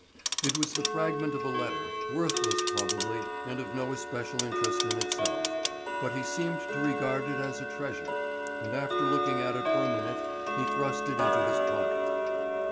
It was the fragment of a letter, worthless probably and of no especial interest in itself, but he seemed to regard it as a treasure, and after looking at it for a minute, he thrust it into his pocket.